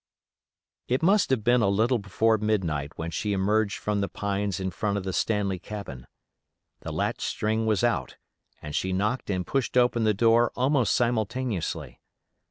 It must have been a little before midnight when she emerged from the pines in front of the Stanley cabin. The latch string was out, and she knocked and pushed open the door almost simultaneously.